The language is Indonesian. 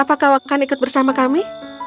apakah akan ikut bersama kami